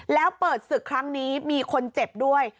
แล้วเปิดศึกครั้งนี้มีคนเจ็บด้วย